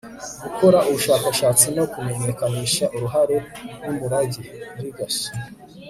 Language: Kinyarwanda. gukora ubushakashatsi no kumenyekanisha uruhare n'umurage (legacy